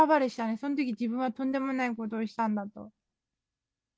そのとき、自分はとんでもないことをしたんだと。